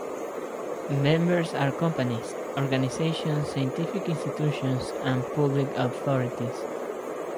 Members are companies, organizations, scientific institutions and public authorities.